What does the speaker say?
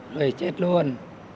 rồi chết luôn